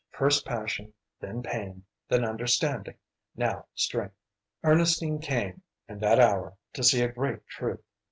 first passion, then pain, then understanding, now strength. Ernestine came in that hour to see a great truth.